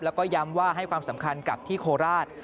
แล้วก็ย้ำว่าให้ความสำคัญกับที่โคราช